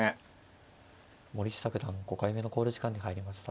森下九段５回目の考慮時間に入りました。